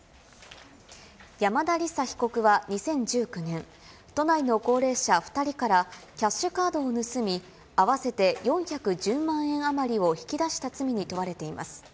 山田李沙被告は２０１９年、都内の高齢者２人からキャッシュカードを盗み、合わせて４１０万円余りを引き出した罪に問われています。